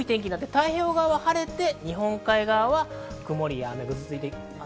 太平洋側は晴れて日本海側は曇り、雨、ぐずついていきます。